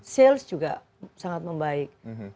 sales juga sangat membaik